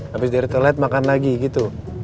habis dari toilet makan lagi gitu